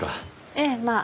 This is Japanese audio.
ええまあ。